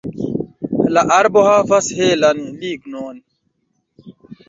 La arbo havas helan lignon.